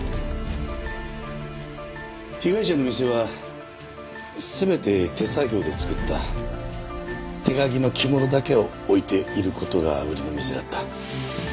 被害者の店は全て手作業で作った手描きの着物だけを置いている事が売りの店だった。